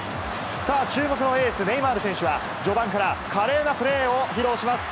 さあ、注目のエース、ネイマール選手は、序盤から華麗なプレーを披露します。